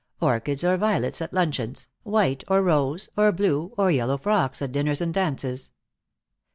Orchids or violets at luncheons, white or rose or blue or yellow frocks at dinners and dances.